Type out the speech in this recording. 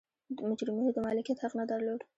مجرمینو د مالکیت حق نه درلود.